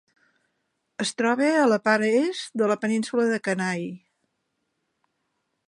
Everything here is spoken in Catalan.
Es troba a la part est de la península de Kenai.